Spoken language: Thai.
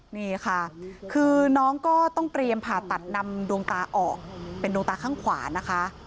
นี่ค่ะคือน้องก็ต้องเตรียมผ่าตัดนำดวงตาออกเป็นดวงตาข้างขวานะคะ